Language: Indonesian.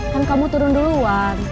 kan kamu turun duluan